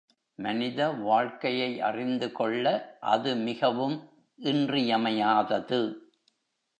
மனித வாழ்க்கையை அறிந்து கொள்ள அது மிகவும் இன்றியமையாதது.